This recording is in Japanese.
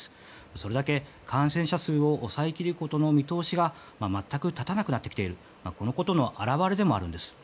それだけ感染者数を抑え切ることの見通しが全く立たなくなってきていることの表れでもあるんです。